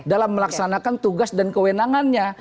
dalam melaksanakan tugas dan kewenangannya